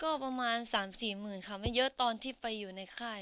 ก็ประมาณ๓๔หมื่นค่ะไม่เยอะตอนที่ไปอยู่ในค่าย